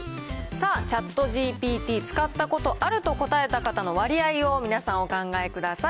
さあ、ＣｈａｔＧＰＴ、使ったことあると答えた方の割合を皆さん、お考えください。